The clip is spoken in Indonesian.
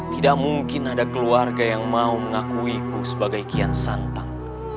tidak mungkin ada keluarga yang mau mengakuiku sebagai kian santang